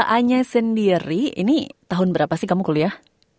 anya sendiri ini tahun berapa sih kamu kuliah